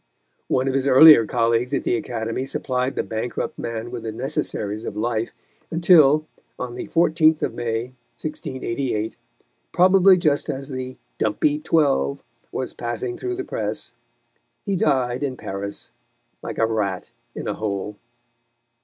One of his earlier colleagues at the Academy supplied the bankrupt man with the necessaries of life, until, on the 14th of May, 1688, probably just as the "dumpy twelve" was passing through the press, he died in Paris like a rat in a hole.